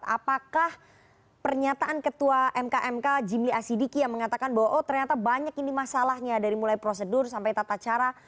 apakah pernyataan ketua mkmk jimli asidiki yang mengatakan bahwa oh ternyata banyak ini masalahnya dari mulai prosedur sampai tata cara